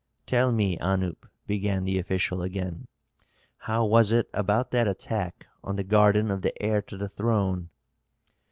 "Tell me, Anup," began the official again, "how was it about that attack on the garden of the heir to the throne?"